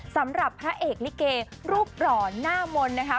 สำหรับพระเอกลิเกรูปหล่อหน้ามนต์นะคะ